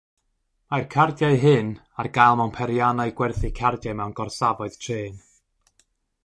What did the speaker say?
Mae'r cardiau hyn ar gael mewn peiriannau gwerthu cardiau mewn gorsafoedd trên.